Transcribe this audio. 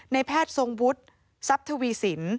แพทย์ทรงวุฒิทรัพย์ทวีสิน